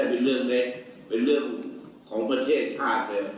เป็นเรื่องของประเทศชาติ